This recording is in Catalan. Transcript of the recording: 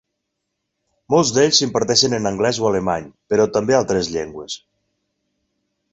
Molts d'ells s'imparteixen en anglès o alemany, però també altres llengües.